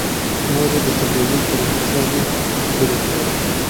مور یې د تلویزون په ریموټ باندې خبرې کولې.